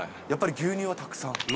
やっぱり牛乳はたくさん？